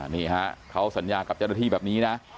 นี่ฮะเขาสัญญากับเจ้าหน้าที่แบบนี้นะ